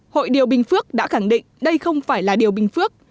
hội điều bình phước đã khẳng định đây không phải là điều bình phước